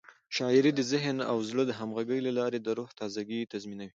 شاعري د ذهن او زړه د همغږۍ له لارې د روح تازه ګي تضمینوي.